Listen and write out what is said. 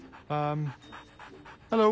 ああ！